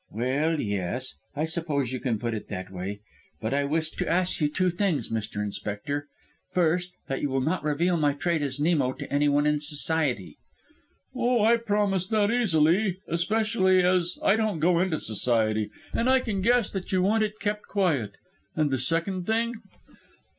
"Well, yes; I suppose you can put it that way. But I wish to ask you two things, Mr. Inspector: first, that you will not reveal my trade as Nemo to anyone in society." "Oh, I promise that easily, especially as I don't go into society, and I can guess that you want it kept quiet. And the second thing?"